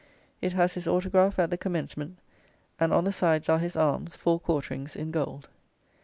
It has his autograph at the commencement, and on the sides are his arms (four quarterings) in gold.